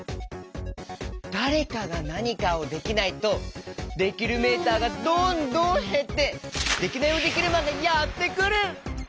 だれかがなにかをできないとできるメーターがどんどんへってデキナイヲデキルマンがやってくる！